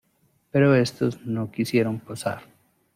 Pero estos no quisieron posar.